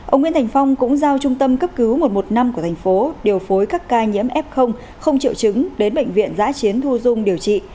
ông nguyễn thành phong cũng giao trung tâm cấp cứu một trăm một mươi năm của thành phố điều phối các ca nhiễm f không triệu chứng đến bệnh viện giã chiến thu dung điều trị